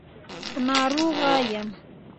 په ناروغه يم.